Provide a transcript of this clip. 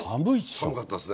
寒かったですね。